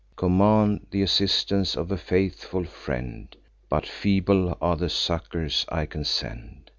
Command th' assistance of a faithful friend; But feeble are the succours I can send.